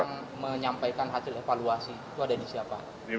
yang menyampaikan hasil evaluasi itu ada di siapa